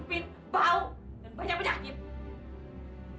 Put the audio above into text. penyakit bau dan banyak penyakit